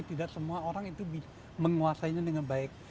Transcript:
tidak semua orang itu menguasainya dengan baik